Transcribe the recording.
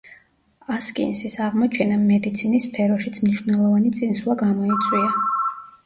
ასკინსის აღმოჩენამ მედიცინის სფეროშიც მნიშვნელოვანი წინსვლა გამოიწვია.